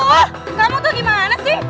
kamu tuh gimana sih